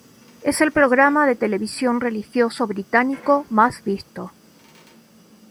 Es el programa de televisión religioso británico más visto.